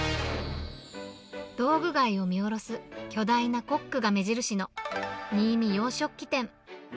道具街を見下ろす巨大なコックが目印の、ニイミ洋食器店。